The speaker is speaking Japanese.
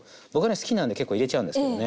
好きなんで結構入れちゃうんですけどね。